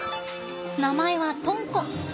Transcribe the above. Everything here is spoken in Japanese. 名前はとんこ。